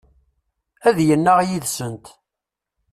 Ad yennaɣ d yid-sent.